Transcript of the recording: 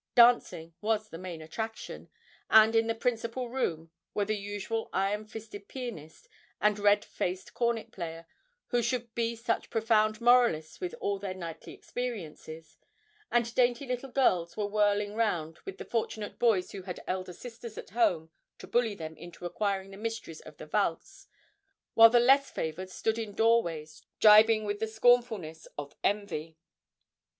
Dancing was the main attraction, and in the principal room were the usual iron fisted pianist and red faced cornet player, who should be such profound moralists with all their nightly experiences; and dainty little girls were whirling round with the fortunate boys who had elder sisters at home to bully them into acquiring the mysteries of the valse, while the less favoured stood in doorways gibing with the scornfulness of envy.